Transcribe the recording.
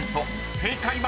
正解は⁉］